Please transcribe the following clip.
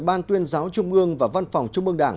ban tuyên giáo trung ương và văn phòng trung ương đảng